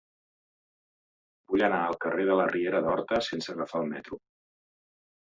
Vull anar al carrer de la Riera d'Horta sense agafar el metro.